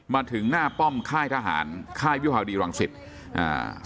มาถึงหน้าป้อมค่ายทหารค่ายวิภาวดีรังสิตอ่า